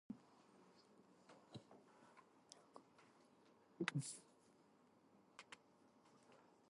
Spinrad has often had problems finding publishers for his novels.